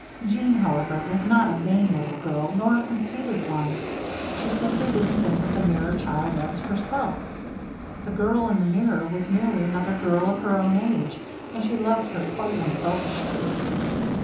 Jeanne, however, was not a vain little girl, nor a conceited one. She simply didn't think of the mirror child as herself. The girl in the mirror was merely another girl of her own age, and she loved her quite unselfishly.